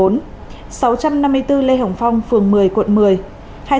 sáu trăm năm mươi bốn lê hồng phong phường một mươi quận một mươi